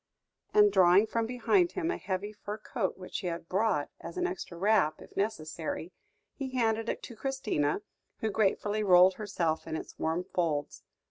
and, drawing from behind him a heavy fur coat, which he had brought as an extra wrap, if necessary, he handed it to Christina, who gratefully rolled herself in its warm folds.